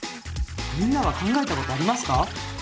みんなは考えたことありますか？